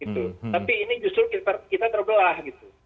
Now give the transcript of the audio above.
tapi ini justru kita terbelah gitu